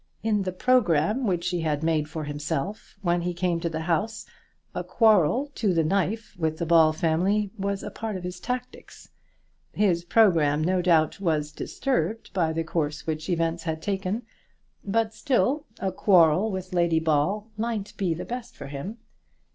In the programme which he had made for himself when he came to the house, a quarrel to the knife with the Ball family was a part of his tactics. His programme, no doubt, was disturbed by the course which events had taken, but still a quarrel with Lady Ball might be the best for him.